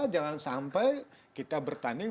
jangan sampai kita bertanding